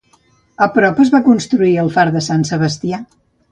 A prop es va construir el far de Sant Sebastià.